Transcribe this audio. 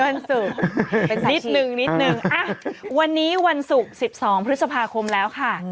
นิดนึงอ่ะวันนี้วันศุกร์๑๒พฤษภาคมแล้วค่ะ